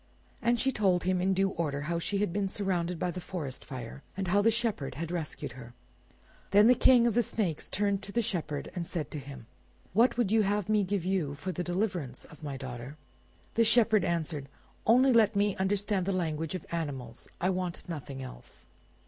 And she told him in due order how she had been surrounded by the forest fire, and how the Shepherd had rescued her. Then the King of the snakes turned to the Shepherd and said to him— "What would you have me give you for the deliverance of my daughter?" The Shepherd answered, "Only let me understand the language of animals; I want nothing else."